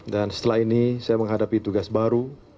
dan setelah ini saya menghadapi tugas baru